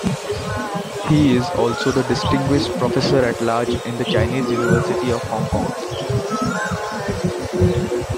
He is also the Distinguished Professor-at-Large in the Chinese University of Hong Kong.